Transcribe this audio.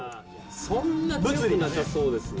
そんな強くなさそうですね。